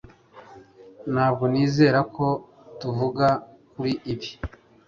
ntabwo nizera ko tuvuga kuri ibi